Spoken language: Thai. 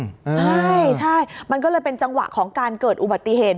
ใช่ใช่มันก็เลยเป็นจังหวะของการเกิดอุบัติเหตุ